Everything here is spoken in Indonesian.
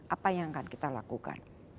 apa yang akan kita lakukan